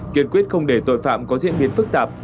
kiên quyết không để tội phạm có diễn biến phức tạp